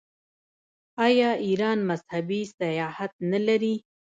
آیا ایران مذهبي سیاحت نلري؟